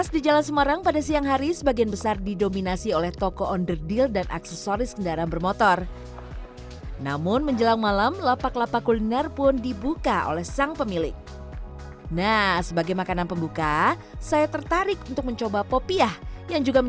sekarang kita ekspor jalan semarang medan